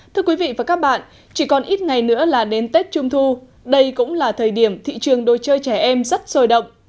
thưa quý vị và các bạn chỉ còn ít ngày nữa là đến tết trung thu đây cũng là thời điểm thị trường đồ chơi trẻ em rất sôi động